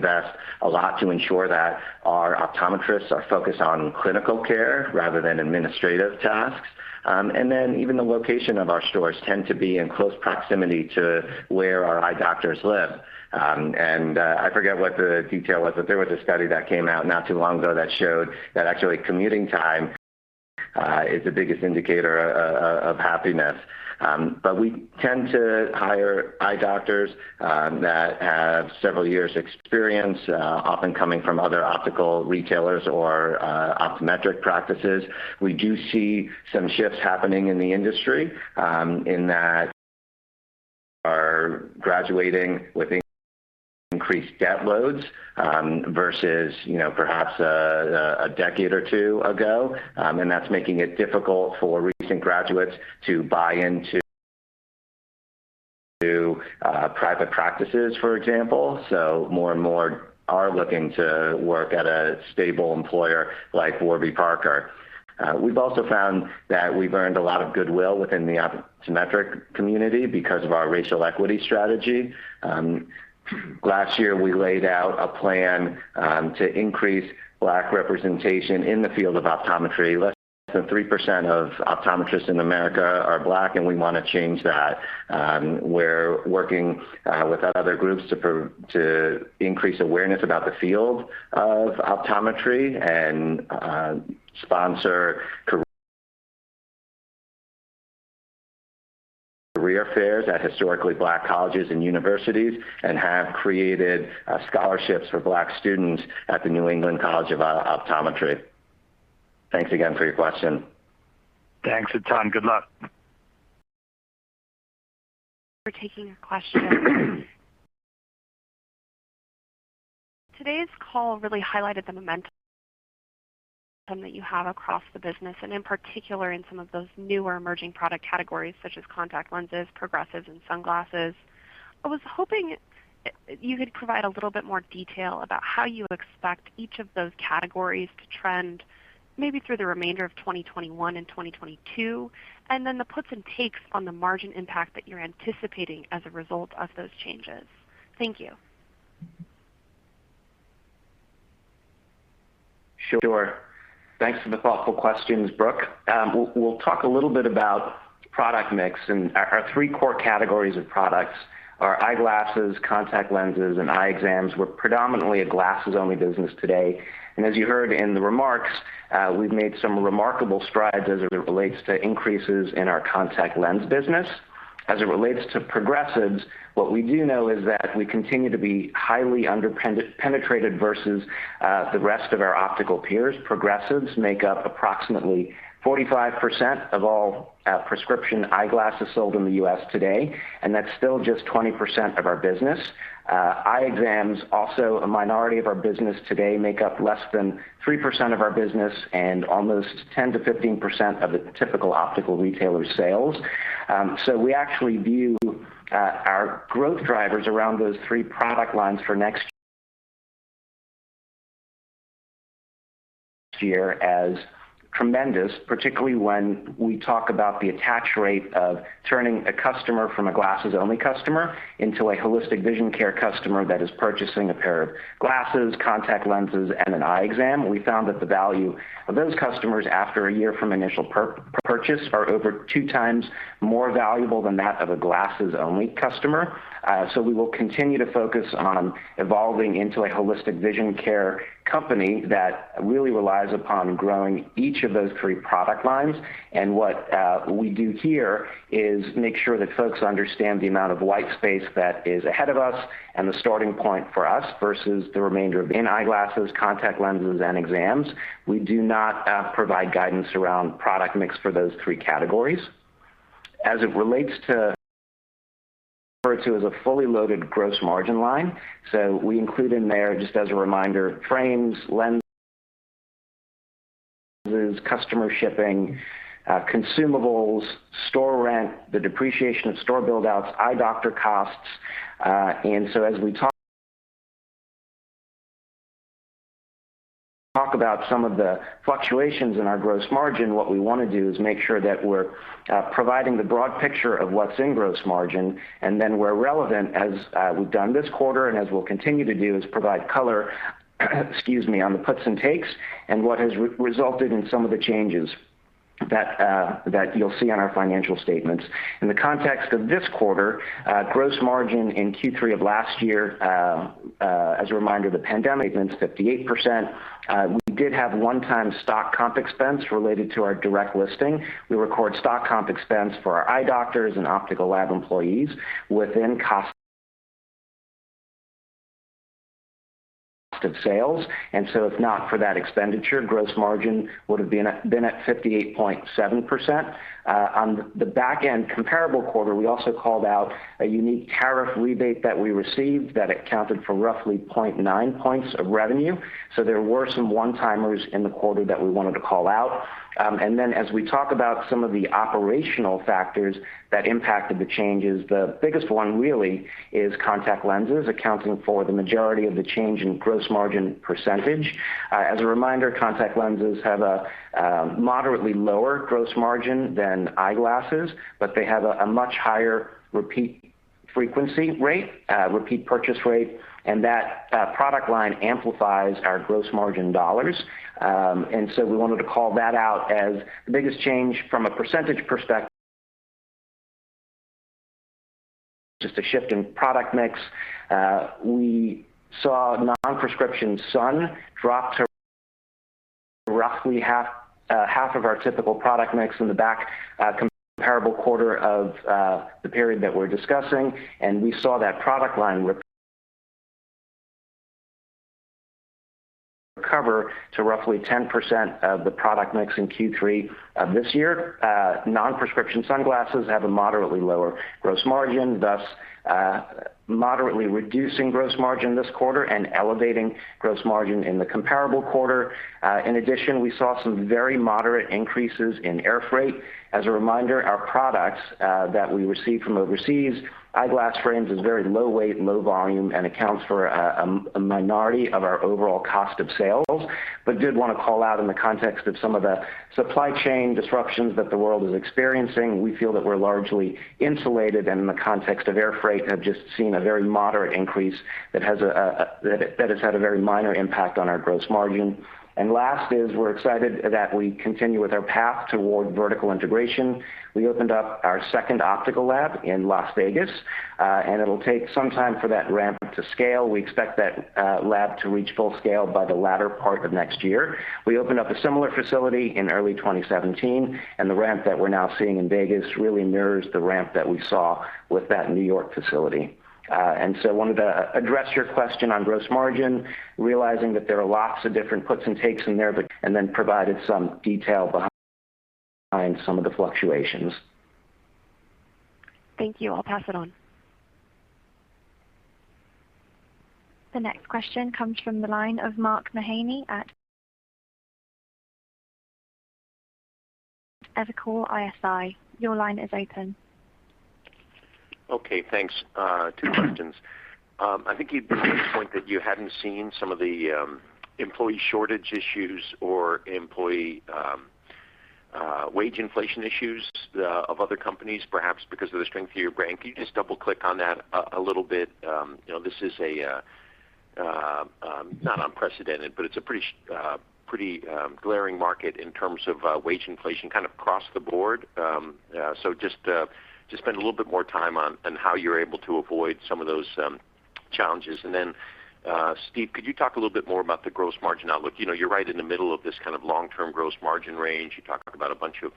invest a lot to ensure that our optometrists are focused on clinical care rather than administrative tasks. And then even the location of our stores tend to be in close proximity to where our eye doctors live. And I forget what the detail was, but there was a study that came out not too long ago that showed that actually commuting time is the biggest indicator of happiness. We tend to hire eye doctors that have several years experience, often coming from other optical retailers or optometric practices. We do see some shifts happening in the industry, in that are graduating with increased debt loads versus you know perhaps a decade or two ago. That's making it difficult for recent graduates to buy into private practices, for example. More and more are looking to work at a stable employer like Warby Parker. We've also found that we've earned a lot of goodwill within the optometric community because of our racial equity strategy. Last year, we laid out a plan to increase Black representation in the field of optometry. Less than 3% of optometrists in America are Black, and we want to change that. We're working with other groups to increase awareness about the field of optometry and sponsor career fairs at historically Black colleges and universities and have created scholarships for Black students at the New England College of Optometry. Thanks again for your question. Thanks a ton. Good luck. for taking a question. Today's call really highlighted the momentum that you have across the business, and in particular in some of those newer emerging product categories such as contact lenses, progressives, and sunglasses. I was hoping you could provide a little bit more detail about how you expect each of those categories to trend, maybe through the remainder of 2021 and 2022, and then the puts and takes on the margin impact that you're anticipating as a result of those changes. Thank you. Sure. Thanks for the thoughtful questions, Brooke. We'll talk a little bit about product mix and our three core categories of products are eyeglasses, contact lenses, and eye exams. We're predominantly a glasses only business today. As you heard in the remarks, we've made some remarkable strides as it relates to increases in our contact lens business. As it relates to progressives, what we do know is that we continue to be highly underpenetrated versus the rest of our optical peers. Progressives make up approximately 45% of all prescription eyeglasses sold in the U.S. today, and that's still just 20% of our business. Eye exams, also a minority of our business today, make up less than 3% of our business and almost 10%-15% of the typical optical retailer sales. We actually view our growth drivers around those three product lines for next year as tremendous, particularly when we talk about the attach rate of turning a customer from a glasses-only customer into a holistic vision care customer that is purchasing a pair of glasses, contact lenses, and an eye exam. We found that the value of those customers after a year from initial purchase are over two times more valuable than that of a glasses-only customer. We will continue to focus on evolving into a holistic vision care company that really relies upon growing each of those three product lines. What we do here is make sure that folks understand the amount of white space that is ahead of us and the starting point for us versus the remainder of the industry in eyeglasses, contact lenses, and exams. We do not provide guidance around product mix for those three categories. As it relates to what we refer to as a fully loaded gross margin line, we include in there, just as a reminder, frames, lens, customer shipping, consumables, store rent, the depreciation of store build outs, eye doctor costs. As we talk about some of the fluctuations in our gross margin, what we want to do is make sure that we're providing the broad picture of what's in gross margin, and then where relevant, as we've done this quarter and as we'll continue to do, provide color, excuse me, on the puts and takes and what has resulted in some of the changes that you'll see on our financial statements. In the context of this quarter, gross margin in Q3 of last year, as a reminder, the pandemic was 58%. We did have one-time stock comp expense related to our direct listing. We record stock comp expense for our eye doctors and optical lab employees within cost of sales. If not for that expenditure, gross margin would have been at 58.7%. On the back end comparable quarter, we also called out a unique tariff rebate that we received that accounted for roughly 0.9 points of revenue. There were some one-timers in the quarter that we wanted to call out. As we talk about some of the operational factors that impacted the changes, the biggest one really is contact lenses, accounting for the majority of the change in gross margin percentage. As a reminder, contact lenses have a moderately lower gross margin than eyeglasses, but they have a much higher repeat purchase rate, and that product line amplifies our gross margin dollars. We wanted to call that out as the biggest change from a percentage perspective, just a shift in product mix. We saw non-prescription sunglasses drop to roughly half of our typical product mix in the comparable quarter of the period that we're discussing. We saw that product line recover to roughly 10% of the product mix in Q3 of this year. Non-prescription sunglasses have a moderately lower gross margin, thus moderately reducing gross margin this quarter and elevating gross margin in the comparable quarter. In addition, we saw some very moderate increases in air freight. As a reminder, our products that we receive from overseas, eyeglass frames is very low weight, low volume, and accounts for a minority of our overall cost of sales. Did want to call out in the context of some of the supply chain disruptions that the world is experiencing. We feel that we're largely insulated and in the context of air freight, have just seen a very moderate increase that has had a very minor impact on our gross margin. Last is we're excited that we continue with our path toward vertical integration. We opened up our second optical lab in Las Vegas, and it'll take some time for that ramp to scale. We expect that lab to reach full scale by the latter part of next year. We opened up a similar facility in early 2017, and the ramp that we're now seeing in Vegas really mirrors the ramp that we saw with that New York facility. Wanted to address your question on gross margin, realizing that there are lots of different puts and takes in there, but, and then provided some detail behind some of the fluctuations. Thank you. I'll pass it on. The next question comes from the line of Mark Mahaney at Evercore ISI. Your line is open. Okay, thanks. Two questions. I think you've been to the point that you hadn't seen some of the employee shortage issues or employee wage inflation issues of other companies, perhaps because of the strength of your brand. Can you just double click on that a little bit? You know, this is not unprecedented, but it's a pretty glaring market in terms of wage inflation kind of across the board. Just spend a little bit more time on how you're able to avoid some of those. Challenges. Steve, could you talk a little bit more about the gross margin outlook? You know, you're right in the middle of this kind of long-term gross margin range. You talked about a bunch of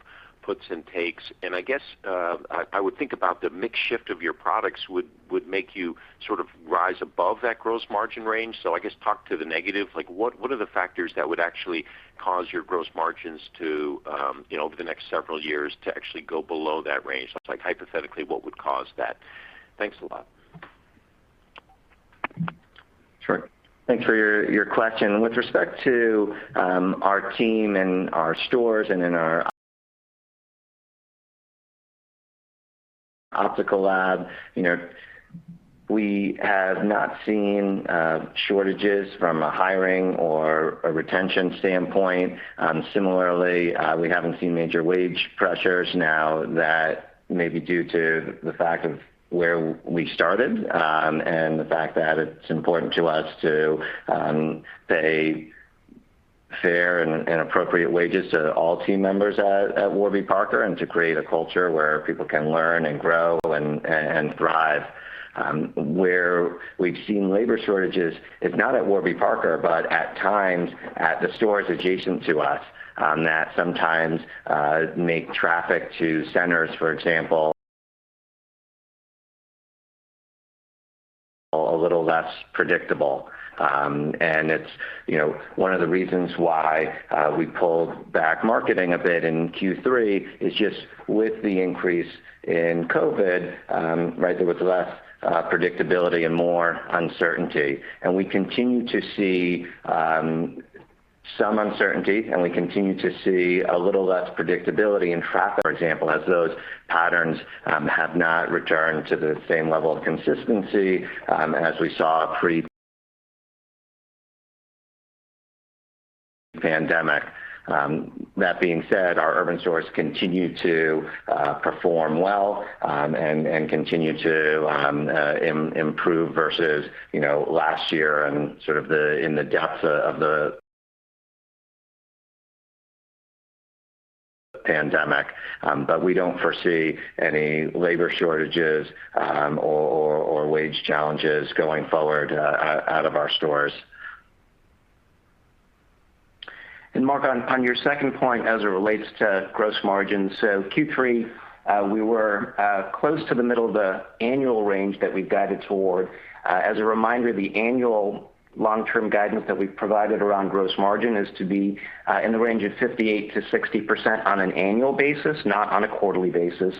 puts and takes, and I guess I would think about the mix shift of your products would make you sort of rise above that gross margin range. I guess talk to the negative. Like, what are the factors that would actually cause your gross margins to you know, over the next several years to actually go below that range? Like, hypothetically, what would cause that? Thanks a lot. Sure. Thanks for your question. With respect to our team and our stores and then our optical lab, you know, we have not seen shortages from a hiring or a retention standpoint. Similarly, we haven't seen major wage pressures now that may be due to the fact of where we started and the fact that it's important to us to pay fair and appropriate wages to all team members at Warby Parker and to create a culture where people can learn and grow and thrive. Where we've seen labor shortages is not at Warby Parker, but at times at the stores adjacent to us that sometimes make traffic to centers, for example, a little less predictable. It's, you know, one of the reasons why we pulled back marketing a bit in Q3 is just with the increase in COVID, right there with less predictability and more uncertainty. We continue to see some uncertainty, and we continue to see a little less predictability in traffic, for example, as those patterns have not returned to the same level of consistency as we saw pre-pandemic. That being said, our urban stores continue to perform well and continue to improve versus, you know, last year and sort of in the depth of the pandemic. But we don't foresee any labor shortages or wage challenges going forward out of our stores. Mark, on your second point as it relates to gross margins. Q3, we were close to the middle of the annual range that we guided toward. As a reminder, the annual long-term guidance that we've provided around gross margin is to be in the range of 58%-60% on an annual basis, not on a quarterly basis.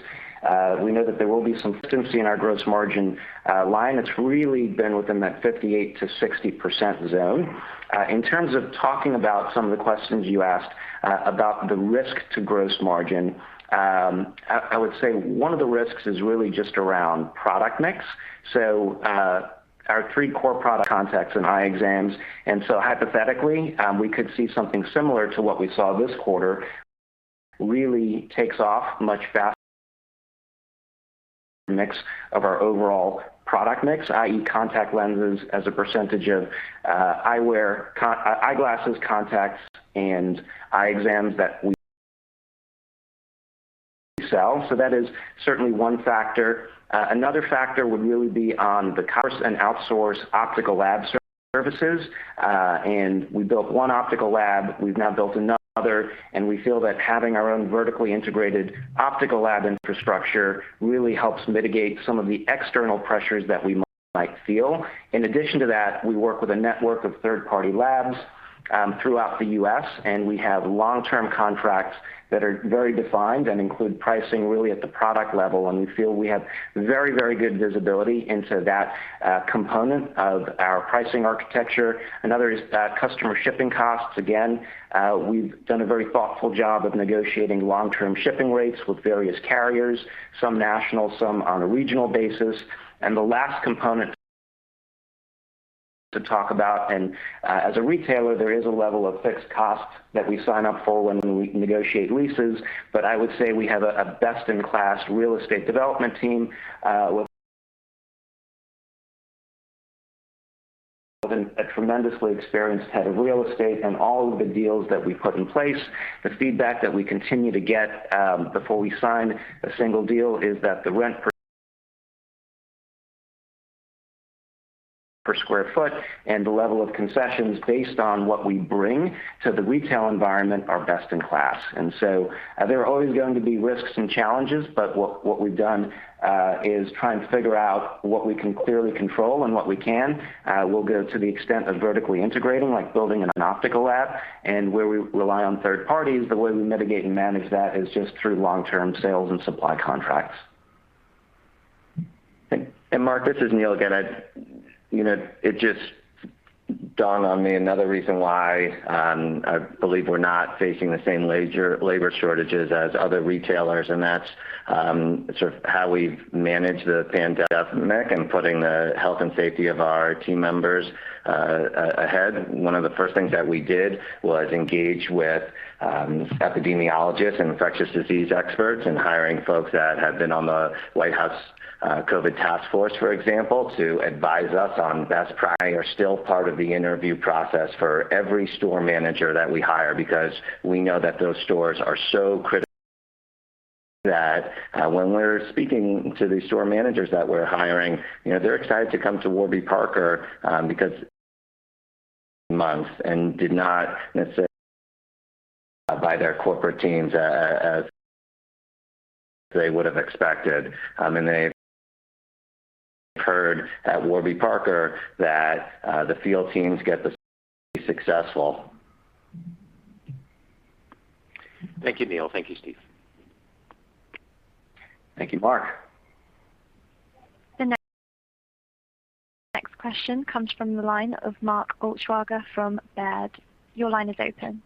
We know that there will be some consistency in our gross margin line. It's really been within that 58%-60% zone. In terms of talking about some of the questions you asked about the risk to gross margin, I would say one of the risks is really just around product mix. Our three core products contacts and eye exams. Hypothetically, we could see something similar to what we saw this quarter really takes off much faster mix of our overall product mix, i.e. Contact lenses as a percentage of eyewear, eyeglasses, contacts, and eye exams that we sell. That is certainly one factor. Another factor would really be on the costs of outsourced optical lab services. We built one optical lab. We've now built another, and we feel that having our own vertically integrated optical lab infrastructure really helps mitigate some of the external pressures that we might feel. In addition to that, we work with a network of third-party labs throughout the U.S., and we have long-term contracts that are very defined and include pricing really at the product level, and we feel we have very, very good visibility into that component of our pricing architecture. Another is customer shipping costs. Again, we've done a very thoughtful job of negotiating long-term shipping rates with various carriers, some national, some on a regional basis. The last component to talk about, as a retailer, there is a level of fixed costs that we sign up for when we negotiate leases, but I would say we have a best-in-class real estate development team with a tremendously experienced head of real estate. All of the deals that we put in place, the feedback that we continue to get before we sign a single deal is that the rent per sq ft and the level of concessions based on what we bring to the retail environment are best in class. There are always going to be risks and challenges, but what we've done is try and figure out what we can clearly control and what we can. We'll go to the extent of vertically integrating, like building an optical lab. Where we rely on third parties, the way we mitigate and manage that is just through long-term sales and supply contracts. Mark, this is Neil again. I you know, it just dawned on me another reason why I believe we're not facing the same labor shortages as other retailers, and that's sort of how we've managed the pandemic and putting the health and safety of our team members ahead. One of the first things that we did was engage with epidemiologists and infectious disease experts and hiring folks that have been on the White House COVID task force, for example, to advise us on best practices are still part of the interview process for every store manager that we hire because we know that those stores are so critical That, when we're speaking to the store managers that we're hiring, you know, they're excited to come to Warby Parker, because months and did not necessarily by their corporate teams as they would have expected. They've heard at Warby Parker that the field teams get the successful. Thank you, Neil. Thank you, Steve. Thank you, Mark. The next question comes from the line of Mark Altschwager from Baird. Your line is open.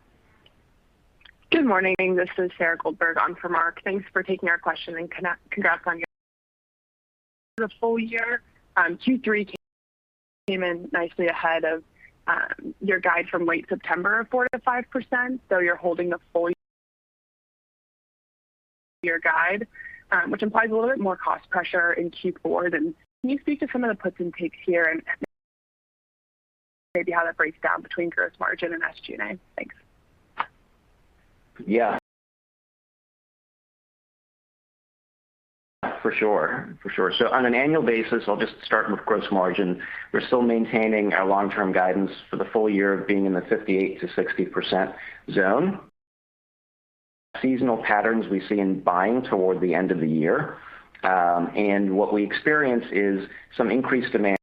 Good morning, this is Sarah Goldberg on for Mark. Thanks for taking our question, and congrats on your full year. Q3 came in nicely ahead of your guide from late September of 4%-5%, so you're holding the full year guide, which implies a little bit more cost pressure in Q4. Can you speak to some of the puts and takes here and maybe how that breaks down between gross margin and SG&A? Thanks. Yeah. For sure. On an annual basis, I'll just start with gross margin. We're still maintaining our long-term guidance for the full year of being in the 58%-60% zone. We see seasonal patterns in buying toward the end of the year, and what we experience is some increased demand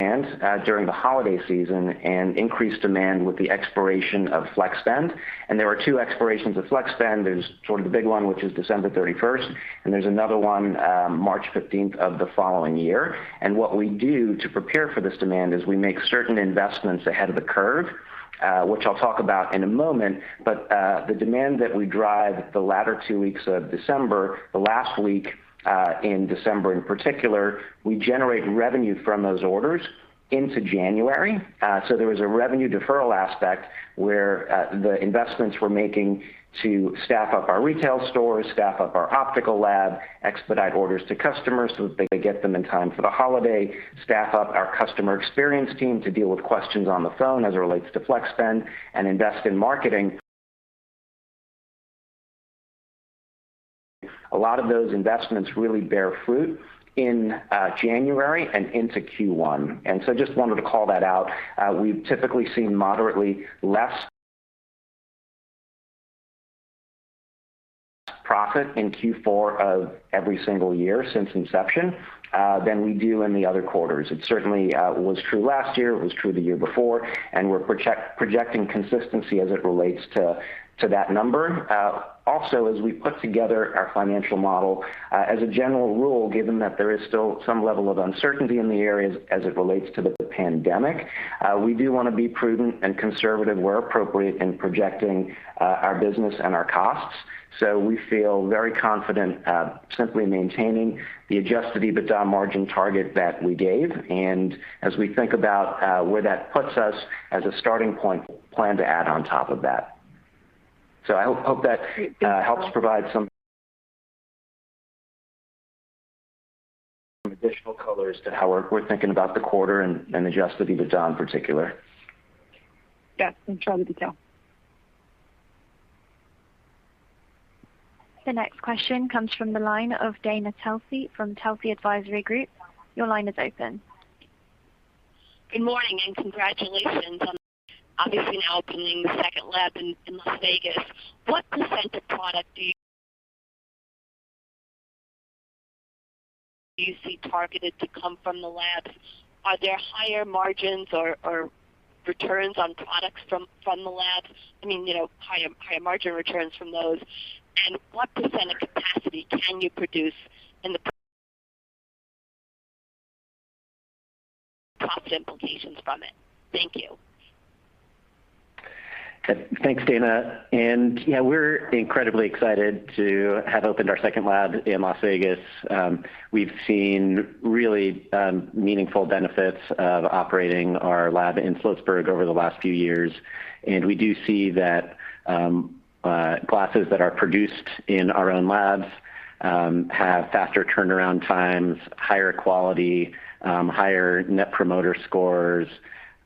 during the holiday season, and increased demand with the expiration of flex spend. There are two expirations of flex spend. There's sort of the big one, which is December 31st, and there's another one, March 15th of the following year. What we do to prepare for this demand is we make certain investments ahead of the curve, which I'll talk about in a moment. The demand that we drive the latter two weeks of December, the last week, in December in particular, we generate revenue from those orders into January. There was a revenue deferral aspect where, the investments we're making to staff up our retail stores, staff up our optical lab, expedite orders to customers so that they could get them in time for the holiday, staff up our customer experience team to deal with questions on the phone as it relates to flex spend, and invest in marketing. A lot of those investments really bear fruit in January and into Q1. Just wanted to call that out. We've typically seen moderately less profit in Q4 of every single year since inception, than we do in the other quarters. It certainly was true last year, it was true the year before, and we're projecting consistency as it relates to that number. Also, as we put together our financial model, as a general rule, given that there is still some level of uncertainty in the areas as it relates to the pandemic, we do wanna be prudent and conservative where appropriate in projecting our business and our costs. We feel very confident simply maintaining the Adjusted EBITDA margin target that we gave. And as we think about where that puts us as a starting point, we plan to add on top of that. I hope that helps provide some additional color as to how we're thinking about the quarter and Adjusted EBITDA in particular. Yes. Enjoy the detail. The next question comes from the line of Dana Telsey from Telsey Advisory Group. Your line is open. Good morning, and congratulations on obviously now opening the second lab in Las Vegas. What % of product do you see targeted to come from the labs? Are there higher margins or returns on products from the labs? I mean, you know, higher margin returns from those, and what percent of capacity can you produce in the profit implications from it? Thank you. Thanks, Dana. Yeah, we're incredibly excited to have opened our second lab in Las Vegas. We've seen really meaningful benefits of operating our lab in Sloatsburg over the last few years, and we do see that glasses that are produced in our own labs have faster turnaround times, higher quality, higher Net Promoter Scores,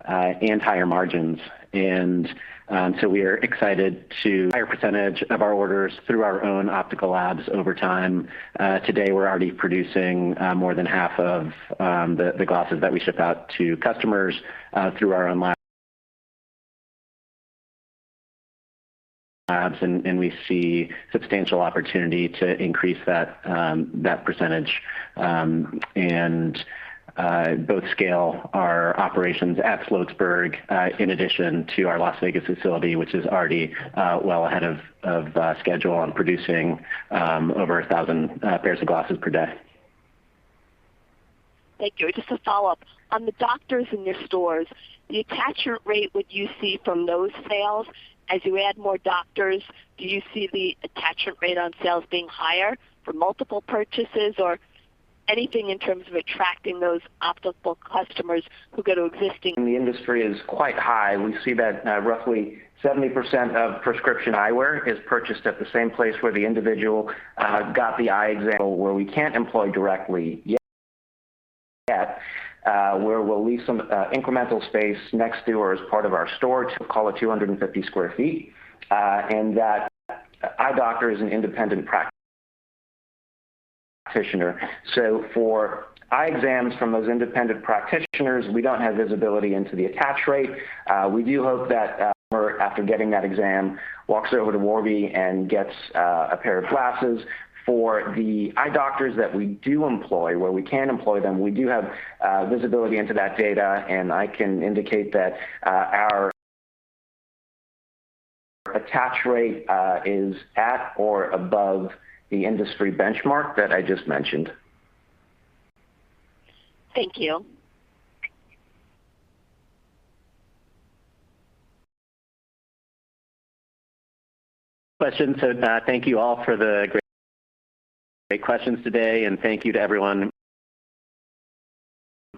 and higher margins. We are excited to have a higher percentage of our orders through our own optical labs over time. Today, we're already producing more than half of the glasses that we ship out to customers through our own labs. Labs, we see substantial opportunity to increase that percentage and both scale our operations at Sloatsburg, in addition to our Las Vegas facility, which is already well ahead of schedule on producing over 1,000 pairs of glasses per day. Thank you. Just a follow-up. On the doctors in your stores, the attachment rate, what you see from those sales as you add more doctors, do you see the attachment rate on sales being higher for multiple purchases or anything in terms of attracting those optical customers who go to existing? in the industry is quite high. We see that roughly 70% of prescription eyewear is purchased at the same place where the individual got the eye exam. Where we can't employ directly yet, where we'll leave some incremental space next to or as part of our store to call it 250 sq ft. That eye doctor is an independent practitioner. For eye exams from those independent practitioners, we don't have visibility into the attach rate. We do hope that after getting that exam, the customer walks over to Warby and gets a pair of glasses. For the eye doctors that we do employ, where we can employ them, we do have visibility into that data, and I can indicate that our attach rate is at or above the industry benchmark that I just mentioned. Thank you. Thank you all for the great questions today, and thank you to everyone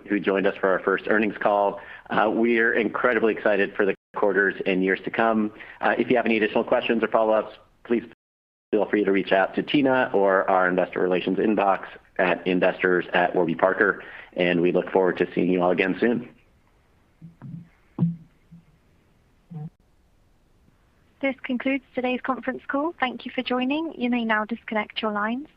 who joined us for our first earnings call. We're incredibly excited for the quarters and years to come. If you have any additional questions or follow-ups, please feel free to reach out to Tina or our investor relations inbox at investors at Warby Parker, and we look forward to seeing you all again soon. This concludes today's conference call. Thank you for joining. You may now disconnect your lines.